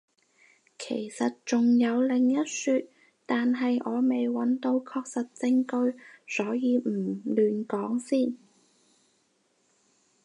其實仲有另一說，但係我未揾到確實證據，所以唔亂講先